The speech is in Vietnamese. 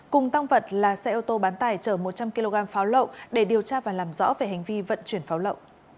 cùng tăng vật là xe ô tô bán tải chở một trăm linh kg pháo lậu để điều tra và làm rõ về hành vi vận chuyển pháo lậu